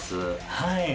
はい。